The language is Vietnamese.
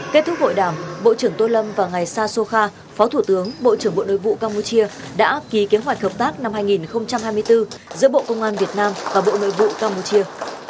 kết thúc hội đàm bộ trưởng tô lâm và ngài sasoka phó thủ tướng bộ trưởng bộ nội vụ campuchia đã ký kế hoạch hợp tác năm hai nghìn hai mươi bốn giữa bộ công an việt nam và bộ nội vụ campuchia